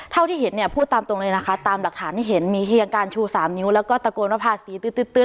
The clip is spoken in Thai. เท่าที่เห็นพูดตามตรงเลยตามหลักฐานที่เห็นมีการชู๓นิ้วแล้วก็ตะโกนว่าภาษี